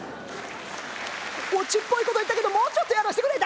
「オチっぽいこと言ったけどもうちょっとやらせてくれ！